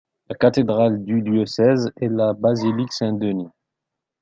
La cathédrale du diocèse est la Basilique Saint-Denis.